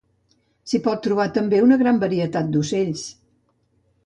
S'hi pot trobar també una gran varietat d’ocells.